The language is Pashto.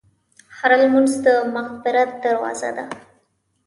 هره لمونځ د مغفرت دروازه ده.